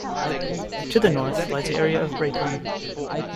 To the north lies the area of Braetongue.